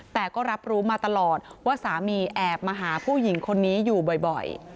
แต่ก็รับรู้มาตลอดว่าสามีแอบมาหาผู้หญิงคนนี้อยู่บ่อย